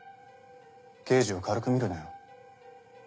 刑事を軽く見るなよ